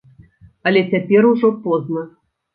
Але цяпер ужо позна.